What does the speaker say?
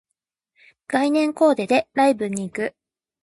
概念コーデでライブに行く